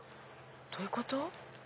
どういうこと？